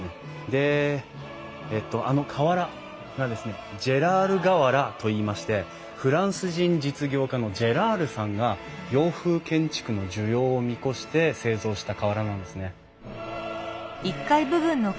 でえっとあの瓦がですねジェラール瓦といいましてフランス人実業家のジェラールさんが洋風建築の需要を見越して製造した瓦なんですね。